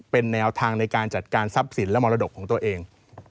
เป็นแนวทางในการจัดการทรัพย์สินและมรดกของตัวเอง